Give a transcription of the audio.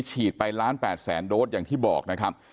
ฉีดไปล้าน๘แสนโดสอย่างที่บอกนะครับ